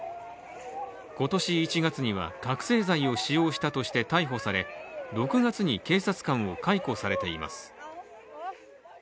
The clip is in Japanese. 今年１月には覚醒剤を使用したとして逮捕され６月に警察官を解雇されています。